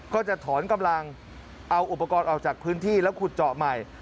ก็จะถอนกำลังเอาอุปกรณ์ออกจากพื้นที่แล้วขุดเจาะใหม่